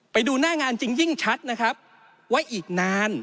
ไปดูหน้างานจริงชัดว่าอีกนาน